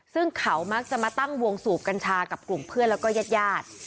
ซึ่งเขามักจะมาตั้งวงสูบกัญชากับกลุ่มเพื่อนแล้วก็ญาติญาติ